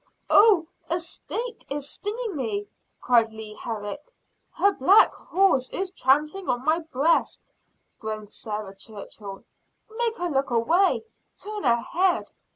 "Oh, a snake is stinging me!" cried Leah Herrick. "Her black horse is trampling on my breast!" groaned Sarah Churchill. "Make her look away; turn her head!"